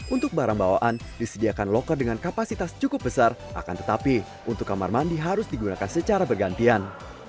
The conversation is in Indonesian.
untuk barang bawaan disediakan loker dengan kapasitas cukup besar akan tetapi untuk kamar mandi harus digunakan secara bergantian